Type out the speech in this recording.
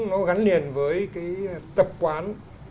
nó gắn liền với tập quán